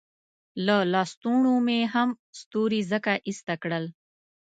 له لستوڼو مې هم ستوري ځکه ایسته کړل.